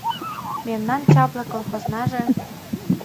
Мемнан чапле колхознаже